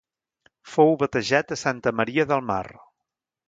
Fou batejat a Santa Maria del Mar.